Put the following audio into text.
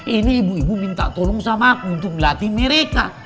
ini ibu ibu minta tolong sama aku untuk melatih mereka